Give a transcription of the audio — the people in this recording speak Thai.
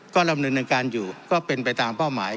ก็ดำเนินการอยู่ก็เป็นไปตามเป้าหมาย